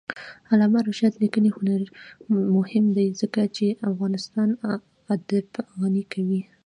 د علامه رشاد لیکنی هنر مهم دی ځکه چې افغانستان ادب غني کوي.